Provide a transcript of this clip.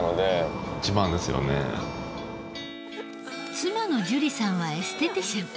妻の珠里さんはエステティシャン。